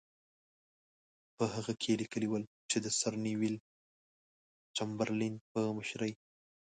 په هغه کې یې لیکلي وو چې د سر نیویل چمبرلین په مشرۍ.